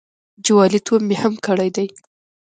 جوالیتوب مې هم کړی دی.